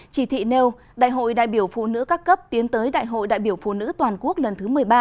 chỉ thị nêu đại hội đại biểu phụ nữ các cấp tiến tới đại hội đại biểu phụ nữ toàn quốc lần thứ một mươi ba